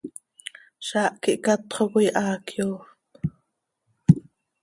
Zaah quih catxo coi haa cöyoofp.